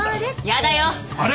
やだよ。